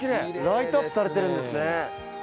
ライトアップされてるんですね。